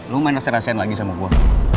lo main rasen rasen lagi sama gue